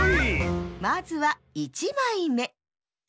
まずは１まいめ！